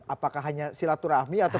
apakah hanya silaturahmi atau